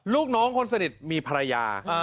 ลูกน้องคนสนิทมีภรรยา